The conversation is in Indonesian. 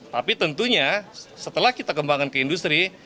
tapi tentunya setelah kita kembangkan ke industri